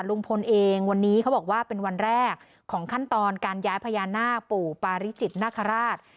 ลุงพลเองวันนี้เขาบอกว่าเป็นวันแรกของขั้นตอนการย้ายพญานาคปู่ปาริจิตนาคาราช